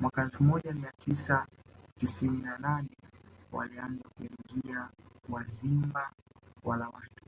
Mwaka elfu moja mia sita tisini na nane walianza kuingia Wazimba wala watu